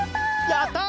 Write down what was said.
やった！